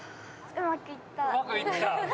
うまくいった？